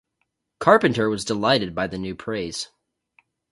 Carpenter was delighted by the new praise.